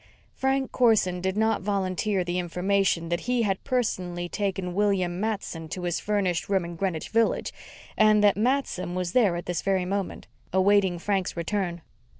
Frank Corson did not volunteer the information that he had personally taken William Matson to his furnished room in Greenwich Village and that Matson was there at this very moment, awaiting Frank's return.